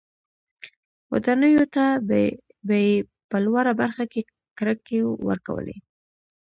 ودانیو ته به یې په لوړه برخه کې کړکۍ ورکولې.